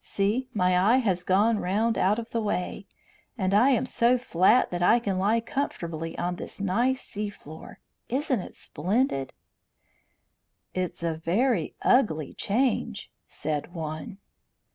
"See, my eye has gone round out of the way, and I am so flat that I can lie comfortably on this nice sea floor. Isn't it splendid?" "It is a very ugly change," said one.